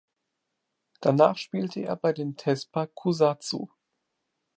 Danach spielte er bei den Thespa Kusatsu.